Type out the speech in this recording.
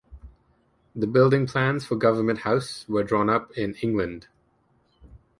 The building plans for Government House were drawn up in England.